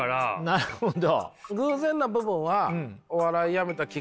なるほど。